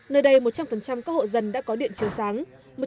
nơi đây một trăm linh các hộ dân đã có điện chiều sáng